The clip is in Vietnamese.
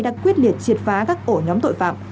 đã quyết liệt triệt phá các ổ nhóm tội phạm